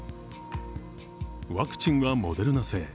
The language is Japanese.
ワクチンはモデルナ製。